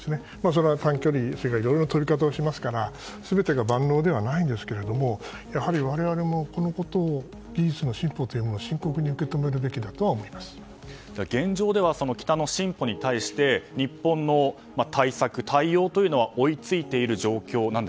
それは距離いろいろな飛び方をしますから全てが万能ではないんですがやはり我々も技術の進歩ということを深刻に受け止めるべきだとは現状では北の進歩に対して日本の対策、対応は追いついている状況